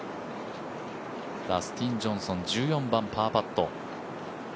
ダスティン・ジョンソン１４番、パーパット。